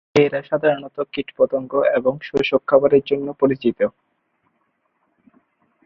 এরা সাধারণত কীটপতঙ্গ এবং শোষক খাবারের জন্য পরিচিত।